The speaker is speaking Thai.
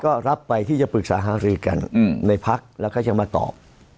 ก็รับไปที่จะปรึกษาหารือกันในพักแล้วก็จะมาตอบ